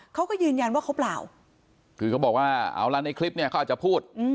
เขาก็ยืนยันว่าเขาเปล่าคือเขาบอกว่าเอาละในคลิปเนี่ยเขาอาจจะพูด